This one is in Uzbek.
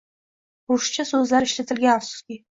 Ruscha so‘zlar ishlatilgan afsuski.